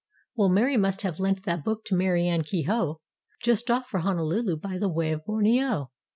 ^3 Well Mary must have lent that book to Mary Ann Kehoe, Just off for Honolulu by the way of Borneo.